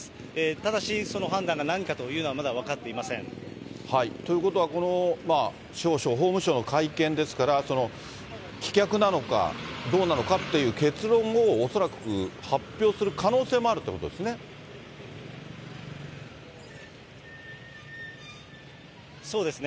ただし、その判断が何かというのということは、司法省、法務省の会見ですから、棄却なのか、どうなのかっていう結論を恐らく発表する可能性もあるということそうですね。